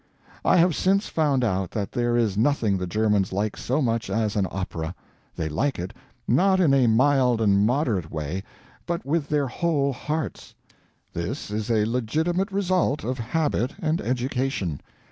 I have since found out that there is nothing the Germans like so much as an opera. They like it, not in a mild and moderate way, but with their whole hearts. This is a legitimate result of habit and education.